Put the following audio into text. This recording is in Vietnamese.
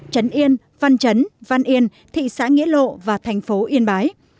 trấn yên văn trấn văn yên thị xã nghĩa lộ và thành phố yên bái